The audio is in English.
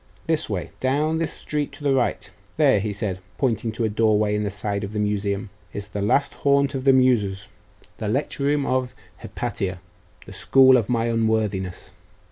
This way; down this street to the right. There,' said he, pointing to a doorway in the side of the Museum, 'is the last haunt of the Muses the lecture room of Hypatia, the school of my unworthiness.